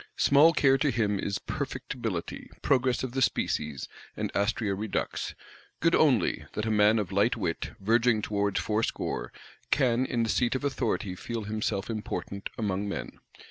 Small care to him is Perfectibility, Progress of the Species, and Astræa Redux: good only, that a man of light wit, verging towards fourscore, can in the seat of authority feel himself important among men.